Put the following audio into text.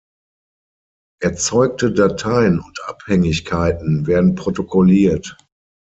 Erzeugte Dateien und Abhängigkeiten werden protokolliert.